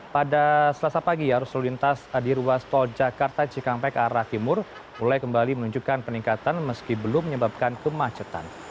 pada selasa pagi arus lalu lintas di ruas tol jakarta cikampek arah timur mulai kembali menunjukkan peningkatan meski belum menyebabkan kemacetan